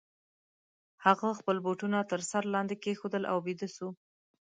هغه خپل بوټونه تر سر لاندي کښېښودل او بیده سو.